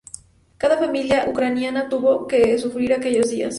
Cada familia ucraniana tuvo que sufrir aquellos días.